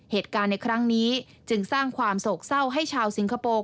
เหตุการณ์ในครั้งนี้จึงสร้างความโศกเศร้าให้ชาวสิงคโปร์